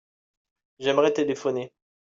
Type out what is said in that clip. J'aimerais téléphoner.